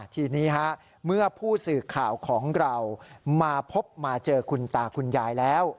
ทีนี้เมื่อผู้สื่อข่าวของเรามาพบมาเจอคุณตาคุณยายแล้ว